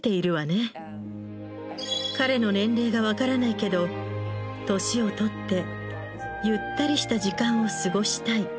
彼の年齢が分からないけど年を取ってゆったりした時間を過ごしたい。